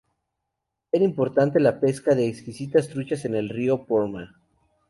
Era importante la pesca de exquisitas truchas en el río Porma.